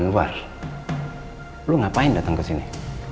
anwar lu ngapain datang ke sini